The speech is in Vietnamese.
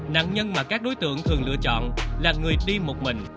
nạn nhân mà các đối tượng thường lựa chọn là người đi một mình